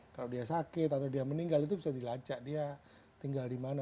kalau dia sakit atau dia meninggal itu bisa dilacak dia tinggal di mana